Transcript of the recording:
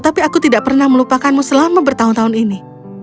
tapi aku tidak pernah melupakanmu selama bertahun tahun ini